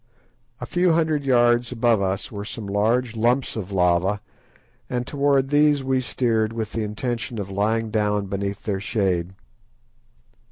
A few hundred yards above us were some large lumps of lava, and towards these we steered with the intention of lying down beneath their shade.